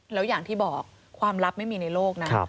แล้วอย่างที่บอกความลับไม่มีในโลกนะ